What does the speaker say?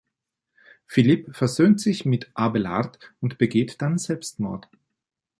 Philip versöhnt sich mit Abelard und begeht dann Selbstmord.